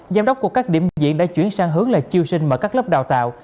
giám đốc của các điểm biểu diễn đã chuyển sang hướng là chiêu sinh mở các lớp đào tạo